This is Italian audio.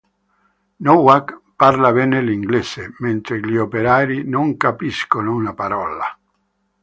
Nowak parla bene l'inglese, mentre gli operai non capiscono una parola.